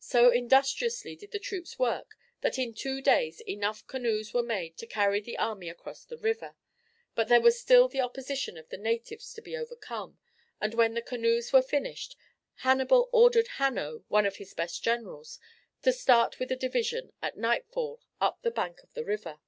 So industriously did the troops work that in two days enough canoes were made to carry the army across the river; but there was still the opposition of the natives to be overcome, and when the canoes were finished Hannibal ordered Hanno, one of his best generals, to start with a division at nightfall up the bank of the river.